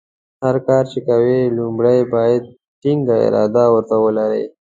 هر کار چې کوې لومړۍ باید ټینګه اراده ورته ولرې.